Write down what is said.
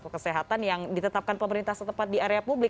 atau kesehatan yang ditetapkan pemerintah setepat di area publik